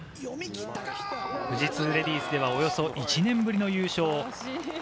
富士通レディースではおよそ１年ぶりの優勝。